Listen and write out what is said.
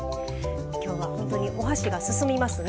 今日はほんとにお箸が進みますね。